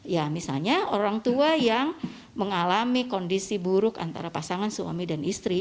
ya misalnya orang tua yang mengalami kondisi buruk antara pasangan suami dan istri